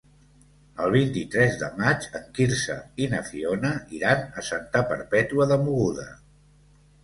El vint-i-tres de maig en Quirze i na Fiona iran a Santa Perpètua de Mogoda.